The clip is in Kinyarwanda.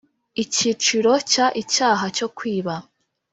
Icyiciro cya Icyaha cyo kwiba